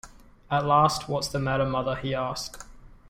At last: “What’s the matter, mother?” he asked.